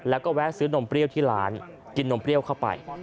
แล้วก็แวะซื้อนมเปรี้ยวที่ร้านกินนมเปรี้ยวเข้าไป